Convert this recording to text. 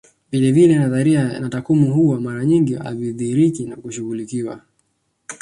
Vilevile nadharia na takwimu huwa mara nyingi havidhihiriki na hushughulikwa